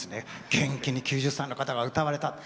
元気に９０歳の方が歌われたって。